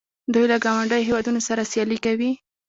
دوی له ګاونډیو هیوادونو سره سیالي کوي.